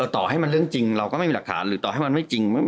ต่อให้มันเรื่องจริงเราก็ไม่มีหลักฐานหรือต่อให้มันไม่จริง